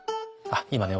あっ今ね